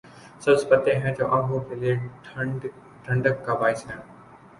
سبز پتے ہیں جو آنکھوں کے لیے ٹھنڈک کا باعث ہیں۔